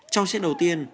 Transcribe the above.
trong chiếc đầu tiên